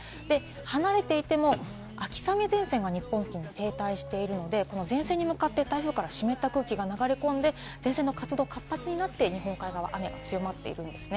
離れていても、秋雨前線が日本付近に停滞しているので、この前線に向かって台風から湿った空気が流れ込んで、前線の活動が活発になって日本海側、雨が強まっているんですね。